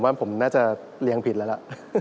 ว่าผมน่าจะเรียงผิดแล้วล่ะ